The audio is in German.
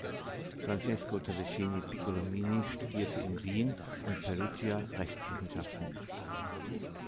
Francesco Todeschini Piccolomini studierte in Wien und Perugia Rechtswissenschaften.